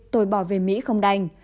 tôi bỏ về mỹ không đành